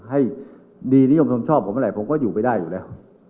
ให้ดีนิยมชมชอบผมอะไรผมก็อยู่ไม่ได้อยู่แล้ว